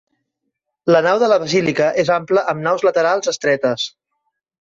La nau de la basílica es ample amb naus laterals estretes.